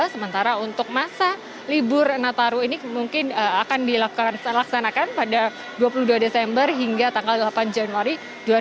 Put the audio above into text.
sementara untuk masa libur nataru ini mungkin akan dilaksanakan pada dua puluh dua desember hingga tanggal delapan januari dua ribu dua puluh